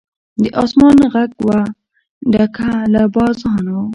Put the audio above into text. د آسمان غېږه وه ډکه له بازانو